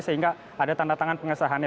sehingga ada tanda tangan pengesahannya